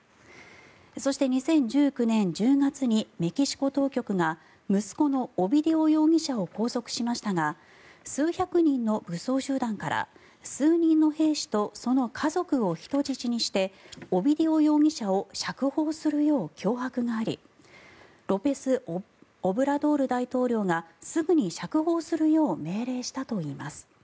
そして、２０１９年１０月にメキシコ当局が息子のオビディオ容疑者を拘束しましたが数百人の武装集団から数人の兵士とその家族を人質にしてオビディオ容疑者を釈放するよう脅迫がありロペス・オブラドール大統領がすぐに釈放するよう命令したといいます。